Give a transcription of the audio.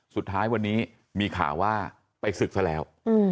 สุดท้ายวันนี้มีข่าวว่าไปศึกซะแล้ว